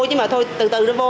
chứ mà thôi từ từ nó vô